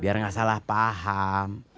biar gak salah paham